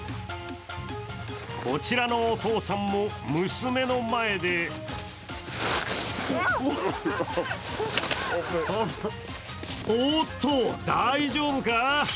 こちらのお父さんも娘の前でおっと、大丈夫か？